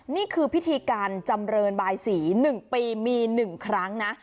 นี่คือพิธีการจำเรินบายสีหนึ่งปีมีหนึ่งครั้งนะ